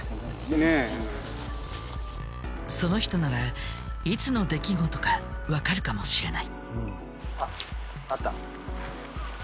その人ならいつの出来事かわかるかもしれない。